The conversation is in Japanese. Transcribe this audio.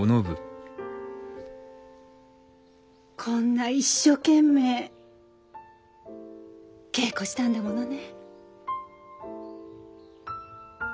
こんな一生懸命稽古したんだものね。